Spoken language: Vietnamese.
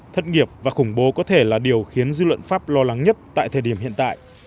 thất nghiệp và khủng bố có thể là điều khiến dư luận pháp lo lắng nhất tại thời điểm hiện tại